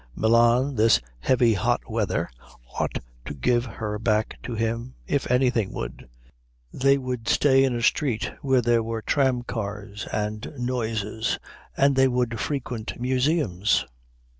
Milan this heavy hot weather ought to give her back to him if anything would. They would stay in a street where there were tramcars and noises, and they would frequent museums.